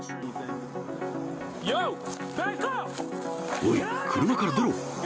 おい、車から出ろ！